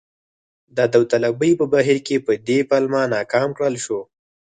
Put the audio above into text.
د داوطلبۍ په بهیر کې په دې پلمه ناکام کړل شو.